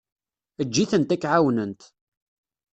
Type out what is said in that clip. Eǧǧ-itent ak-ɛawnent.